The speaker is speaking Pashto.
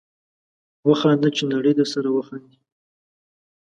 وخانده چې نړۍ درسره وخاندي